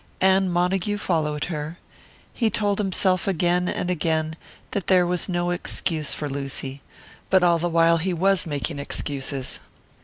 And Montague followed her; he told himself again and again that there was no excuse for Lucy; but all the while he was making excuses.